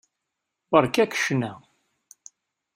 Beṛka-k ccna.